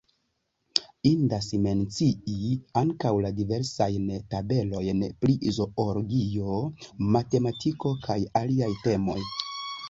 Indas mencii ankaŭ la diversajn tabelojn pri zoologio, matematiko kaj aliaj temoj.